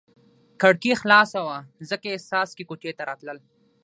کړکۍ خلاصه وه ځکه یې څاڅکي کوټې ته راتلل.